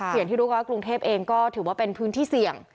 อย่างที่รู้กันว่ากรุงเทพเองก็ถือว่าเป็นพื้นที่เสี่ยง